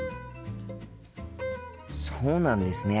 そうなんですね。